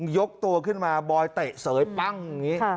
ยกตัวขึ้นมาบอยเตะเสยปั้งอย่างนี้